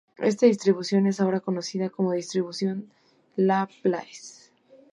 Esta distribución es ahora conocida como distribución de Laplace.